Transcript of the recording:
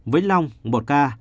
vĩnh long một ca